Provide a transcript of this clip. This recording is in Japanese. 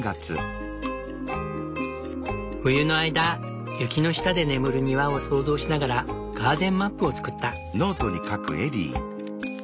冬の間雪の下で眠る庭を想像しながら「ガーデンマップ」を作った。